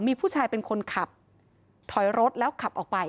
มีผู้ชายเป็นคนขับถอยรถแล้วขับออกไป